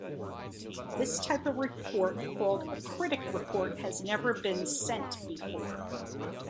This type of report, called a critic report, had never been sent before.